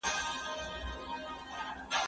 زه کتابونه ليکلي دي؟